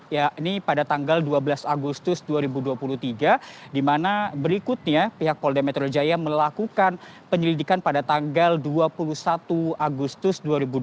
yakni pada tanggal dua belas agustus dua ribu dua puluh tiga di mana berikutnya pihak polda metro jaya melakukan penyelidikan pada tanggal dua puluh satu agustus dua ribu dua puluh